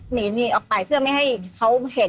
หนีหนีออกไปเพื่อไม่ให้เขาเห็น